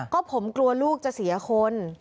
ก็ผมกลัวลูกจะเสียคน